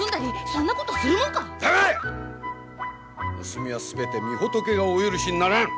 盗みは全て御仏がお許しにならぬ。